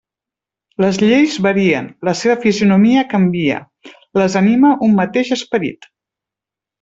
Les lleis varien; la seva fisonomia canvia; les anima un mateix esperit.